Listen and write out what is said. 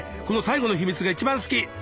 この最後の秘密が一番好き！